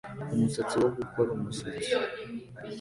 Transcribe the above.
Umusatsi wogukora umusatsi